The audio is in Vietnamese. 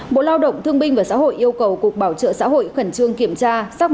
bộ lao động thương binh và xã hội yêu cầu cục bảo trợ xã hội khẩn trương kiểm tra